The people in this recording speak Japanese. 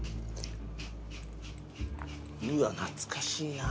うわっ懐かしいな。